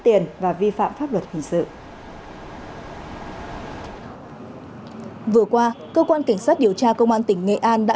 tiền và vi phạm pháp luật hình sự vừa qua cơ quan cảnh sát điều tra công an tỉnh nghệ an đã